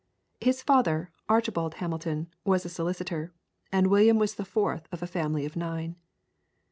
His father, Archibald Hamilton, was a solicitor, and William was the fourth of a family of nine.